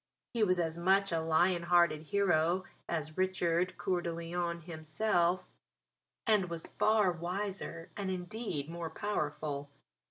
He was as much a Lion hearted hero as Richard Coeur de Lion himself, and was far wiser and indeed more powerful.